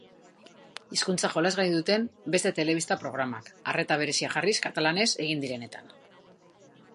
Hizkuntza jolasgai duten beste telebista programak, arreta berezia jarriz katalanez egin direnetan.